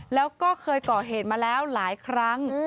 แล้วก็เคยก่อเหตุมาแล้วหลายครั้ง